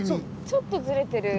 ちょっとズレてる。